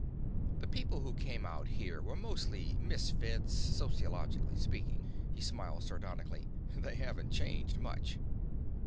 "The people who came out here were mostly misfits, sociologically speaking." He smiled sardonically. "They haven't changed much.